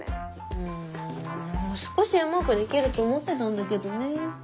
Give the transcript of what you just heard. うんもう少しうまくできると思ってたんだけどね。